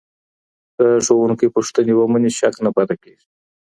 که ښوونکی پوښتني ومني، شک نه پاته کېږي.